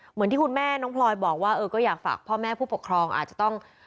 เหมือนที่คุณแม่น้องพลอยบอกว่าเออก็อยากฝากพ่อแม่ผู้ปกครองอาจจะต้อง